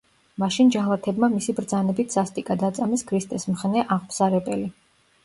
მაშინ ჯალათებმა მისი ბრძანებით სასტიკად აწამეს ქრისტეს მხნე აღმსარებელი.